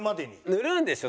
塗るんでしょ？